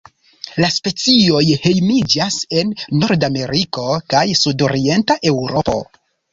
La specioj hejmiĝas en Nordameriko kaj sudorienta Eŭropo.